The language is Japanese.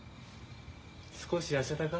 少し痩せたか？